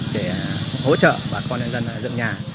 để hỗ trợ bà con dân dựng nhà